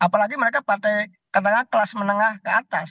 apalagi mereka partai katakanlah kelas menengah ke atas